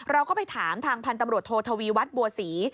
เราก็ไปถามทางพันธ์ตำรวจโททวีวัฒน์บัวศรี